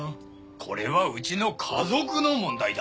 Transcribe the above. これはうちの家族の問題だ。